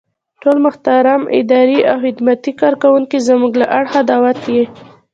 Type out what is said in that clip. ټول محترم اداري او خدماتي کارکوونکي زمونږ له اړخه دعوت يئ.